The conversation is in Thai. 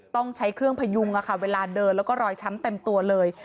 ต้องใช้เครื่องพยุงเวลาเดินแล้วก็รอยช้ำเต็มตัวเลย